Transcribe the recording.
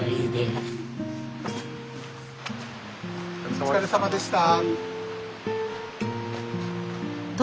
お疲れさまでした。